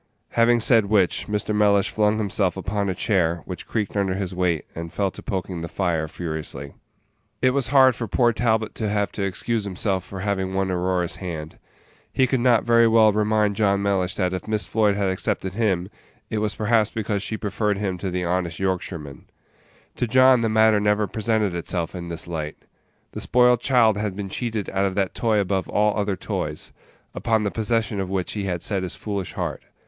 Having said which, Mr. Mellish flung himself upon a chair, which creaked under his weight, and fell to poking the fire furiously. It was hard for poor Talbot to have to excuse himself for having won Aurora's hand. He could not very well remind John Mellish that if Miss Floyd had accepted him, it was perhaps because she preferred him to the honest Yorkshireman. To John the matter never presented itself in this light. The spoiled child had been cheated out of that toy above all other toys, upon the possession of which he had set his foolish heart.